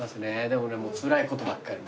でもねもうつらいことばっかり。